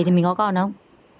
thì mình có còn không